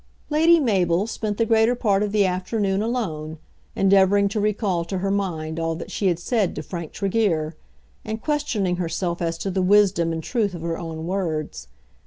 Lady Mabel spent the greater part of the afternoon alone, endeavouring to recall to her mind all that she had said to Frank Tregear, and questioning herself as to the wisdom and truth of her own words.